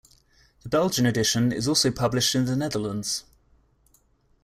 The Belgian edition is also published in the Netherlands.